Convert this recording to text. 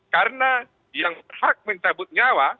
karena yang hak mencabut nyawa